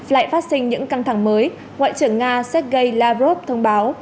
lại phát sinh những căng thẳng mới ngoại trưởng nga sergei lavrov thông báo